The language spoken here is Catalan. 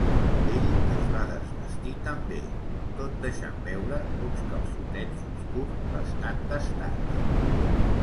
Ell es va desvestir també, tot deixant veure uns calçotets obscurs bastant gastats.